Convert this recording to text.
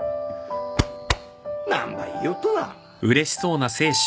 なんば言いよっとな。